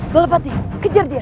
belapati kejar dia